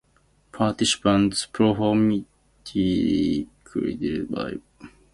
Participants prominently criticized vaccine inequity between developed and developing nations.